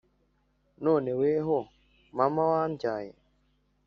none weho mama wambyaye